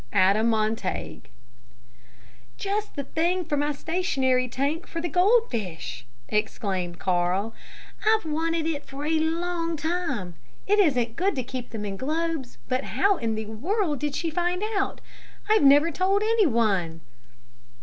ADA MONTAGUE. "Just the thing for my stationary tank for the goldfish," exclaimed Carl. "I've wanted it for a long time; it isn't good to keep them in globes; but how in the world did she find out? I've never told any one."